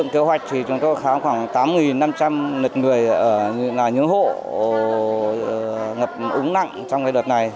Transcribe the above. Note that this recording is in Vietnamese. kế hoạch thì chúng tôi khám khoảng tám năm trăm linh lượt người là những hộ ngập úng nặng trong đợt này